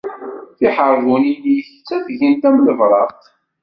Tiḥerbunin-ik ttafgent am lebraq.